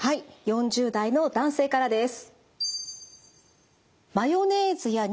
４０代の男性からです。